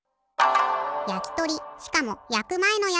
やきとりしかもやくまえのやつじゃん。